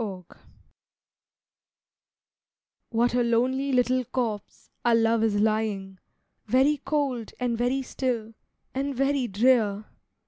TO —— What a lonely little corpse our love is lying, Very cold, and very still, and very drear!